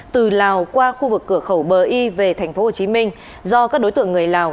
từ lào qua khu vực cửa khẩu bờ y về tp hcm do các đối tượng người lào